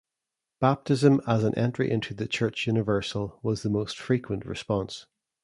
Baptism as an "entry into the Church Universal" was the most frequent response.